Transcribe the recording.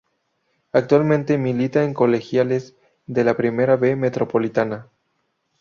Actualmente milita en Colegiales de la Primera B Metropolitana.